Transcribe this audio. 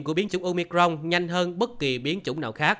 của biến chủng omicron nhanh hơn bất kỳ biến chủng